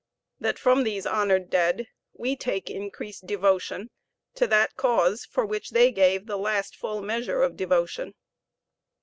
. .that from these honored dead we take increased devotion to that cause for which they gave the last full measure of devotion.